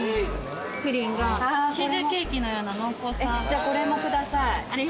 じゃあこれも下さい。